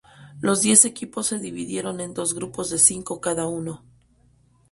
Los diez equipos se dividieron en dos grupos de cinco cada uno.